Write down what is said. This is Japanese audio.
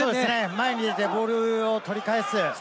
前に出てボールを取り返す。